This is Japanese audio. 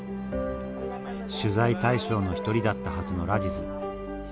取材対象の一人だったはずのラジズ。